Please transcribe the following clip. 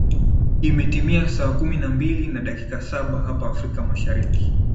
imetimia saa kumi na mbili na dakika saba hapa afrika mashariki